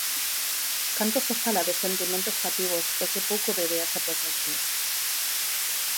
Canto se fala de sentimentos cativos e que pouco de ideas e proxectos!